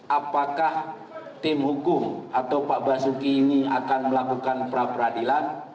apakah tim hukum atau pak basuki ini akan melakukan pra peradilan